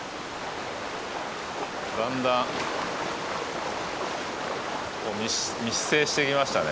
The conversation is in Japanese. だんだん密生してきましたね。